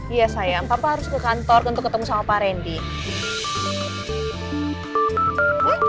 iya sayang papa harus ke kantor untuk ketemu sama pak randy